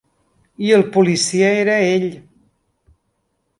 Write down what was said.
I el policia era ell